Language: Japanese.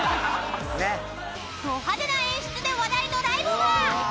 ［ど派手な演出で話題のライブは］